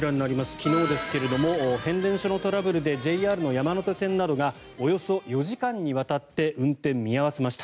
昨日ですが、変電所のトラブルでＪＲ山手線などがおよそ４時間にわたって運転を見合わせました。